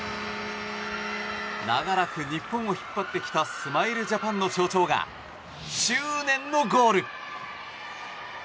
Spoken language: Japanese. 長らく日本を引っ張ってきたスマイルジャンプの象徴が執念のゴール！